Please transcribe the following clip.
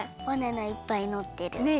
バナナいっぱいのってる。